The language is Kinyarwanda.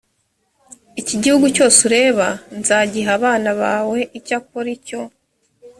iki gihugu cyose ureba nzagiha abana bawe icyakora icyo